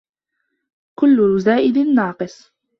كل زائد ناقص